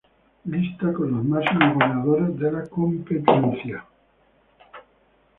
Lista con los máximos goleadores de la competencia.